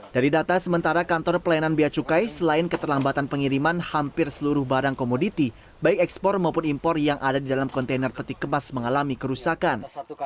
dari data sementara kantor pelayanan bia cukai selain keterlambatan pengiriman hampir seluruh barang komoditi baik ekspor maupun impor yang ada di dalam kontainer peti kemas mengalami kerusakan